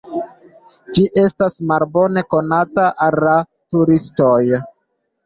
Ĝi estas malbone konata al la turistoj.